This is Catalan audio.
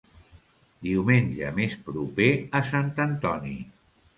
Diumenge més proper a Sant Antoni.